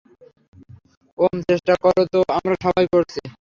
ওম, চেষ্টা তো আমরা সবাই করছি।